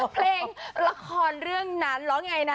เพลงละครเรื่องนั้นร้องไงนะ